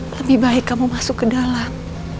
lebih baik kamu masuk ke dalam